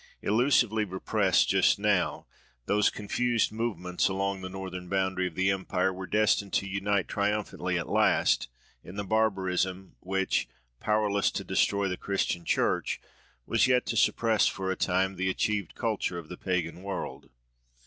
Illusively repressed just now, those confused movements along the northern boundary of the Empire were destined to unite triumphantly at last, in the barbarism, which, powerless to destroy the Christian church, was yet to suppress for a time the achieved culture of the pagan world.